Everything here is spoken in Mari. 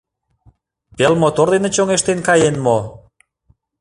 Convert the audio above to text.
— Пел мотор дене чоҥештен каен мо?